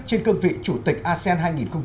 trên cương vị chủ tịch asean hai nghìn hai mươi